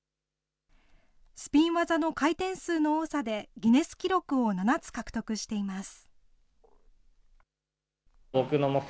スピン技の回転数の多さで、ギネス記録を７つ獲得しています。